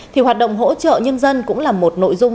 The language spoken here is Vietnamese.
thì hoạt động hỗ trợ nhân dân cũng là một nội dung